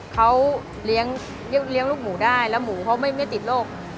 เขาเลี้ยงลูกหมูได้แล้วหมูเขาไม่ติดโรค